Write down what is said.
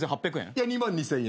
いや２万２，０００円です。